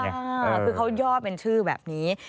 คือเขาย่อเป็นชื่อแบบนี้